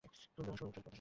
ও খুবই সুদর্শোন, তাই না?